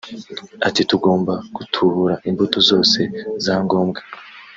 Ati “Tugomba gutubura imbuto zose za ngombwa